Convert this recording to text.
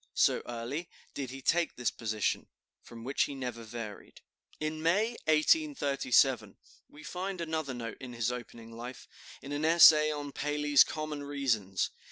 So early did he take this position, from which he never varied. In May, 1837, we find another note of his opening life, in an essay on Paley's "Common Reasons."